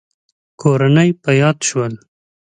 کورنۍ يې په ياد شول.